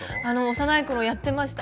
幼い頃やってました。